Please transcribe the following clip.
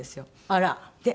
あら。